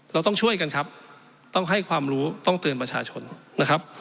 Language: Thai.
เราต้องช่วยกันครับต้องให้ความรู้ต้องเตือนประชาชนนะครับ